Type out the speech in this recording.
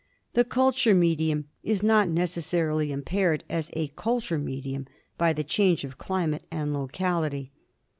The culture medium is not necessarily impaired as a cylture medium by the change of climate and locality.